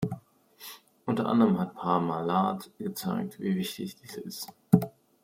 Unter anderem hat Parmalat gezeigt, wie wichtig dies ist.